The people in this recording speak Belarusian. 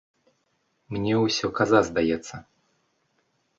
Мне усё каза здаецца.